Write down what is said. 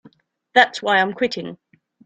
That's why I'm quitting.